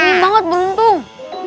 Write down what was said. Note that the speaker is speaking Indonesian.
ingin banget beruntung